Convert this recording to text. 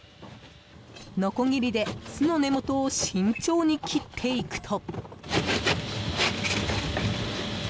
のこぎりで巣の根元を慎重に切っていくと。